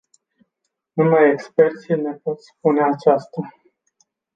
Numai experții ne pot spune aceasta.